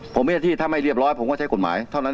ผมเกี่ยวชีพถ้าไม่เรียบร้อยผมก็ใช้กฎหมายเท่านั้นเอง